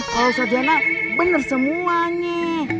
kata ngomong bener semuanya